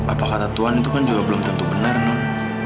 apa kata tuhan itu kan juga belum tentu benar non